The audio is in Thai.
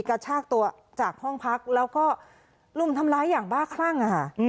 กระชากตัวจากห้องพักแล้วก็ลุมทำร้ายอย่างบ้าคลั่ง